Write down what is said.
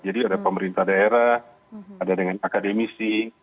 jadi ada pemerintah daerah ada dengan akademisi